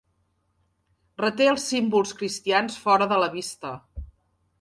Reté els símbols cristians fora de la vista.